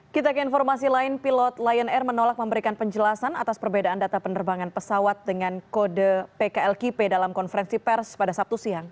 kita ke informasi lain pilot lion air menolak memberikan penjelasan atas perbedaan data penerbangan pesawat dengan kode pklkp dalam konferensi pers pada sabtu siang